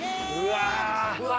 うわ。